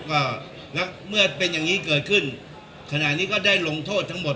ก็แล้วเมื่อเป็นอย่างนี้เกิดขึ้นขณะนี้ก็ได้ลงโทษทั้งหมด